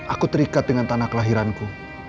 aku terikat dengan tanah kelahiranku